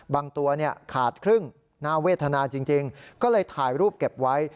ตัวเนี่ยขาดครึ่งน่าเวทนาจริงก็เลยถ่ายรูปเก็บไว้